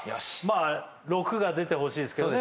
あ６が出てほしいですけどね